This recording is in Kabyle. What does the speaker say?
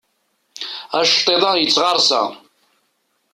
Aceṭṭiḍ-a yettɣersa.